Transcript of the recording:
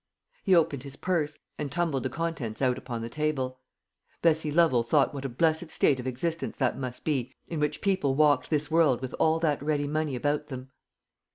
He opened his purse, and tumbled the contents out upon the table. Bessie Lovel thought what a blessed state of existence that must be in which people walked this world with all that ready money about them.